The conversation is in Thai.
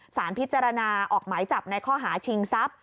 สารพิจารณาออกหมายจับในข้อหาชิงทรัพย์